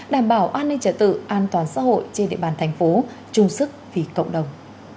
đảm bảo an ninh trật tự an toàn xã hội trên địa bàn thành phố chung sức vì cộng đồng